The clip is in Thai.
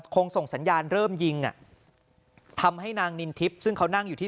ส่งสัญญาณเริ่มยิงอ่ะทำให้นางนินทิพย์ซึ่งเขานั่งอยู่ที่